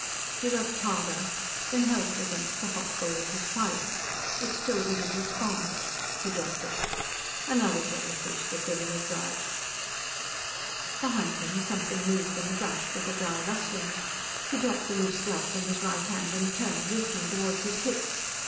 He rubbed harder, then held it against the hot bowl of his pipe. It still didn't respond. He dropped it. "Another jellyfish that didn't live right." Behind him, something moved in the brush with a dry rustling. He dropped the loose glove from his right hand and turned, reaching toward his hip.